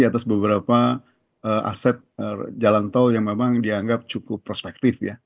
atas beberapa aset jalan tol yang memang dianggap cukup prospektif ya